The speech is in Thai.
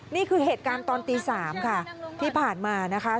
นี่คือเหตุการณ์ตอนตี๓ค่ะที่ผ่านมานะคะ